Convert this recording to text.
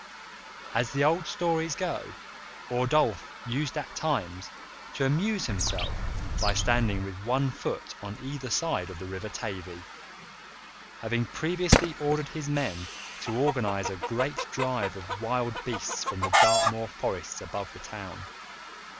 As the old stories go, Ordulph used at times to amuse himself by standing with one foot on either side of the River Tavy, having previously ordered his men to organise a great drive of wild beasts from the Dartmoor forests above the town.